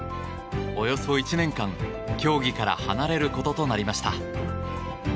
およそ１年間、競技から離れることとなりました。